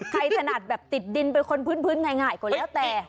ใครถนัดแบบติดดินเป็นคนพื้นง่ายกว่าแล้วแต่